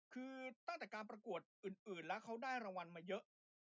คือตั้งแต่การประกวดอื่นแล้วเขาได้รางวัลมาเยอะเนี่ย